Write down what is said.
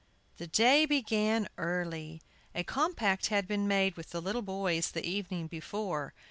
THE day began early. A compact had been made with the little boys the evening before.